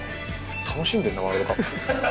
楽しんでんなワールドカップ。